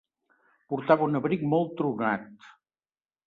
Portava un abric molt tronat.